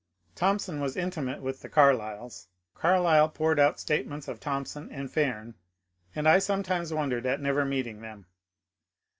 Thompson was intimate with the Carlyles. Carlyle poured out statements of Thompson and Fairn, and I some times wondered at never meeting them.